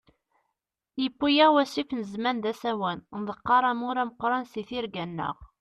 Yewwi-yaɣ wasif n zzman d asawen, nḍeqqer amur ameqran si tirga-nneɣ.